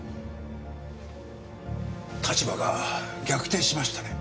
立場が逆転しましたね。